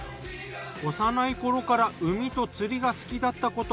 幼い頃から海と釣りが好きだったこと。